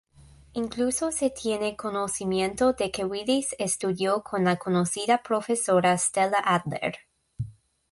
Incluso se tiene conocimiento de que Willis estudió con la conocida profesora Stella Adler.